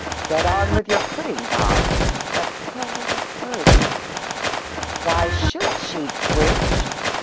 "Get on with your pudding, Bob;" but Hilda disapproves. "Why should she twitch?"